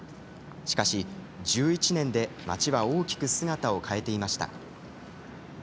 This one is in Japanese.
しかし、１１年で町は大きく姿を変えていました。